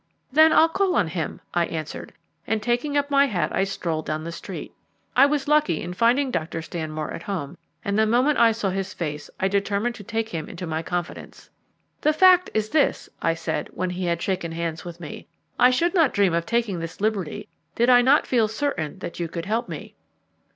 "Then I'll call on him," I answered, and taking up my hat I strolled down the street. I was lucky in finding Dr. Stanmore at home, and the moment I saw his face I determined to take him into my confidence. "The fact is this," I said, when he had shaken hands with me, "I should not dream of taking this liberty did I not feel certain that you could help me."